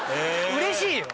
うれしいよ。